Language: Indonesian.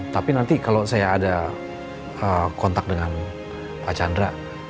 tapi nanti kalau saya ada kontak dengan pak chandra